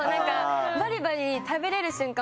バリバリ食べれる瞬間